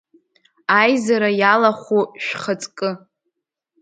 Аизара иалахәу шәхаҵкы!